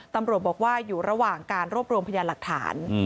ตำรวจบอกว่าอยู่ระหว่างการรวบรวมพยานหลักฐาน